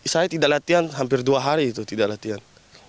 saya tidak latihan hampir dua hari itu tidak latihan